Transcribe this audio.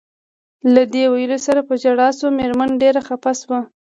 له دې ویلو سره په ژړا شول، مېرمن ډېره خپه شوه.